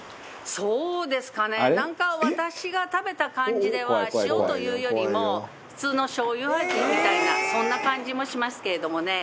なんか私が食べた感じでは塩というよりも普通のしょうゆ味みたいなそんな感じもしますけれどもね。